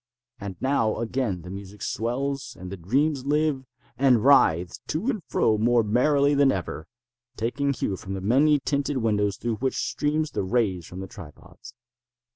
And now again the music swells, and the dreams live, and writhe to and fro more merrily than ever, taking hue from the many tinted windows through which stream the rays from the tripods.